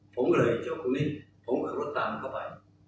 ผมก็เลยเชื่อว่าคุณนี้ผมก็รถตามเข้าไป